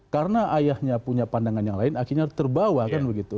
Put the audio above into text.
karena ayahnya punya pandangan yang lain akhirnya terbawa kan begitu